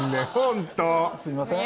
すいません。